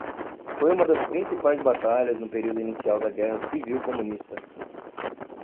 Foi uma das principais batalhas no período inicial da guerra civil comunista.